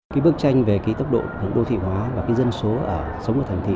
cái bức tranh về cái tốc độ đô thị hóa và cái dân số sống ở thành thị